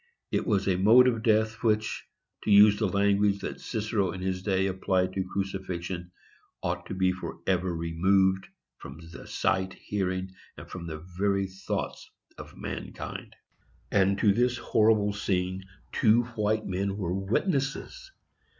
It was a mode of death which, to use the language that Cicero in his day applied to crucifixion, "ought to be forever removed from the sight, hearing, and from the very thoughts of mankind." And to this horrible scene two white men were WITNESSES!